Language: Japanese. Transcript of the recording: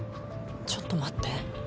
ちょっと待って。